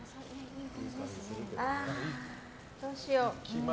どうしよう。